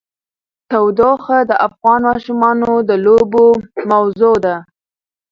تودوخه د افغان ماشومانو د لوبو موضوع ده.